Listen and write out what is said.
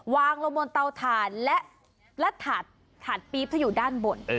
วางลงบนเตาถ่านและถาดปี๊บที่อยู่ด้านบน